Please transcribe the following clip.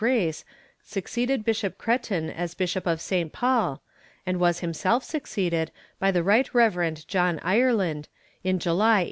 Grace succeeded Bishop Cretin as bishop of St. Paul, and was himself succeeded by the Right Reverend John Ireland, in July, 1884.